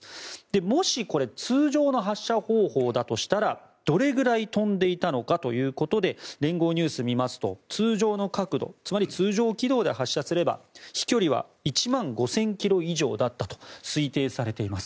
もし、これ通常の発射方法だとしたらどれぐらい飛んでいたのかということで連合ニュースを見ますと通常の角度つまり通常軌道で発射すれば飛距離は１万５０００ｋｍ以上だったと推定されています。